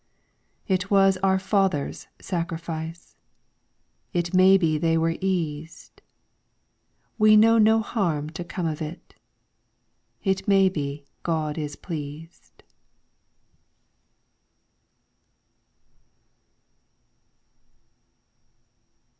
It was our fathers' sacrifice, It may be they were eased. We know no harm to come of it ; It may be God is pleased.